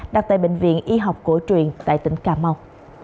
đặt tại bệnh viện y học cổ truyền tại tỉnh cà mau